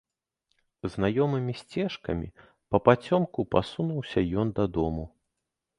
Знаёмымі сцежкамі папацёмку пасунуўся ён дадому.